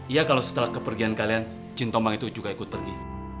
iya kalau setelah kepergian kalian jin tomang itu juga ikut pergi